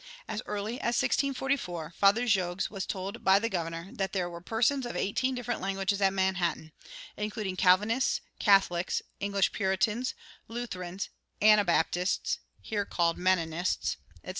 As early as 1644 Father Jogues was told by the governor that there were persons of eighteen different languages at Manhattan, including Calvinists, Catholics, English Puritans, Lutherans, Anabaptists (here called Mennonists), etc.